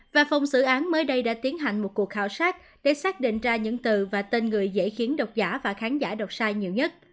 và phòng xử án mới đây đã tiến hành một cuộc khảo sát để xác định ra những từ và tên người dễ khiến độc giả và khán giả đọc sai nhiều nhất